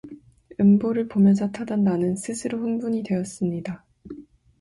음보를 보면서 타던 나는 스스로 흥분이 되었습니다.